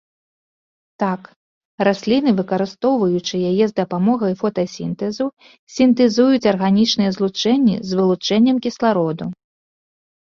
Так, расліны, выкарыстоўваючы яе з дапамогай фотасінтэзу, сінтэзуюць арганічныя злучэнні з вылучэннем кіслароду.